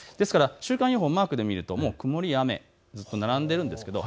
週間予報をマークで見ると曇りや雨、ずっと並んでいます。